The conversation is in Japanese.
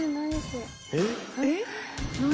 「えっ？」